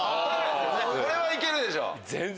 これはいけるでしょ。